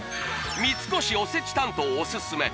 三越おせち担当おすすめ